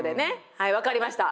はい分かりました。